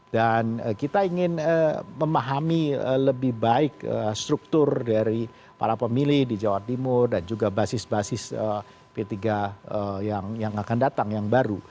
dan kita ingin memahami lebih baik struktur dari para pemilih di jawa timur dan juga basis basis p tiga yang akan datang yang baru